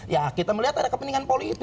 ya kita melihat ada kepentingan politik